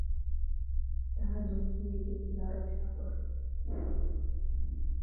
আর দক্ষিণ দিকে ছিল আরব সাগর।